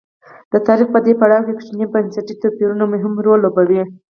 د تاریخ په دې پړاو کې کوچني بنسټي توپیرونه مهم رول لوبوي.